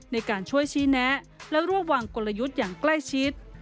ในการช่วยชี้แนะและร่วมวางกลยุทธ์อย่างใกล้ชิด